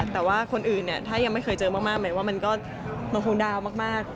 แต่ว่าคนอื่นเนี่ยถ้ายังไม่เคยเจอมากหมายว่ามันก็มันคงดาวมาก